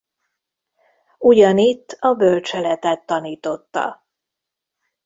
Ugyanitt a bölcseletet tanította.